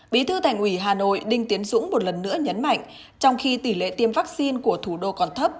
bí thư thành ủy hà nội đinh tiến dũng một lần nữa nhấn mạnh trong khi tỷ lệ tiêm vaccine của thủ đô còn thấp